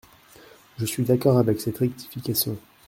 Je suis d’accord avec cette rectification.